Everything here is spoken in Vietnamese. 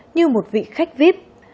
như một vị khách viếp